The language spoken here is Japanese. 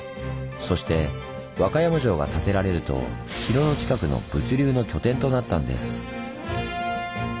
そして和歌山城が建てられると城の近くの物流の拠点となったんです。